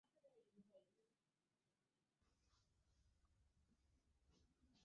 একটি সাধারণ বাইনারি স্থানাঙ্ক চিত্রে তাপমাত্রা থাকে উল্লম্ব অক্ষ বরাবর আর অনুভূমিক অক্ষ বরাবর থাকে মিশ্রণের গঠন।